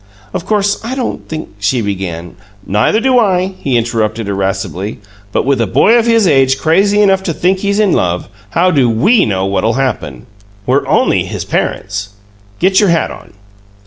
"Of course, I don't think " she began. "Neither do I," he interrupted, irascibly. "But with a boy of his age crazy enough to think he's in love, how do WE know what 'll happen? We're only his parents! Get your hat on."